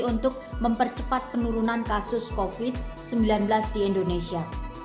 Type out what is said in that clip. untuk mempercepat penurunan kasus covid sembilan belas di indonesia